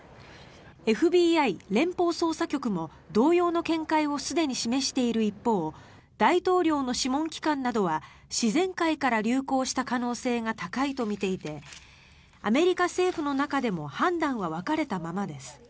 ＦＢＩ・連邦捜査局も同様の見解をすでに示している一方大統領の諮問機関などは自然界から流行した可能性が高いとみていてアメリカ政府の中でも判断は分かれたままです。